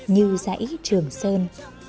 như giải trường sơn